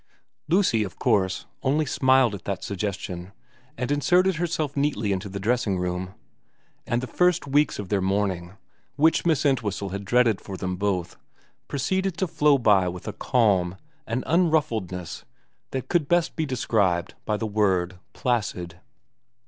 Lucy, of course, only smiled at that suggestion, and inserted herself neatly into the dressing room, and the first weeks of their mourning, which Miss Entwhistle had dreaded for them both, proceeded to flow by with a calm, an unruffledness, that could best be described by the word placid.